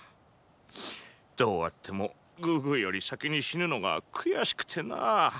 どうあってもグーグーより先に死ぬのが悔しくてな。